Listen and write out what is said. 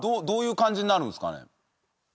どういう感じになるんですかね？